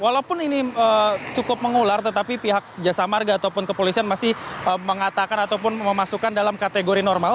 walaupun ini cukup mengular tetapi pihak jasa marga ataupun kepolisian masih mengatakan ataupun memasukkan dalam kategori normal